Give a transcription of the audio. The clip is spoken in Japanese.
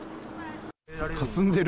かすんでる。